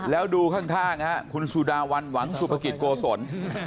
แล้วดูข้างคุณสุดาวันหวังสุภกิจโกศล